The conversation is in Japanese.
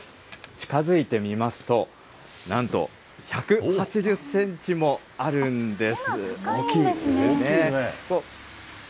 近づいてみますと、なんと、１８０センチもあるんです。